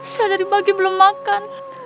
saya dari pagi belum makan